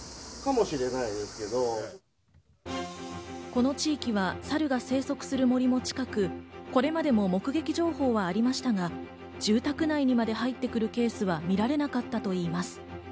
この地域はサルが生息する森も近く、これまでも目撃情報はありましたが、住宅内にまで入ってくるケースは見られなかったといいます。